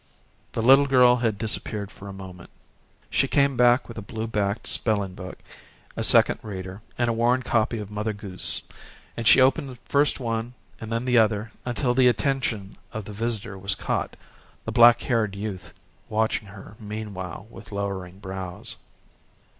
The little girl had disappeared for a moment. She came back with a blue backed spelling book, a second reader and a worn copy of "Mother Goose," and she opened first one and then the other until the attention of the visitor was caught the black haired youth watching her meanwhile with lowering brows.